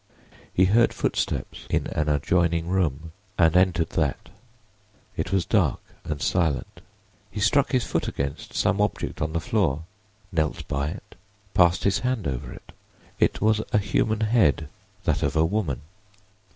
He heard footsteps in an adjoining room and entered that. It was dark and silent. He struck his foot against some object on the floor, knelt by it, passed his hand over it. It was a human head—that of a woman.